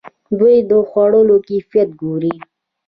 دوی د خوړو کیفیت ګوري.